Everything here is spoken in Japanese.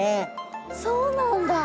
そうなんだ！